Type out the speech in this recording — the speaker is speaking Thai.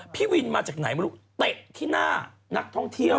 พี่วินมาจากไหนไม่รู้เตะที่หน้านักท่องเที่ยว